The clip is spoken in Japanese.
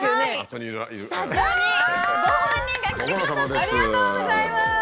ありがとうございます！